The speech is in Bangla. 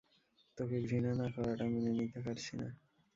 তোকে ঘৃণা না করাটা মেনে নিতে পারছি না।